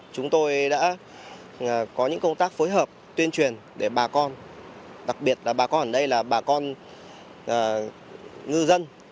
chúng tôi đã có những công tác phối hợp tuyên truyền để bà con đặc biệt là bà con ở đây là bà con ngư dân